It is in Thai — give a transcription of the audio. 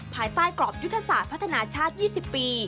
ภายใต้กรอบยุทธศาสตร์พัฒนาชาติ๒๐ปี